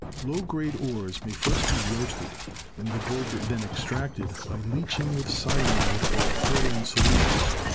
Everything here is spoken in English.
Low grade ores may first be roasted, and the gold then extracted by leaching with cyanide or chlorine solutions.